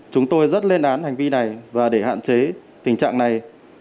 chúng tôi rất lên án hành vi này và để hạn chế tình trạng này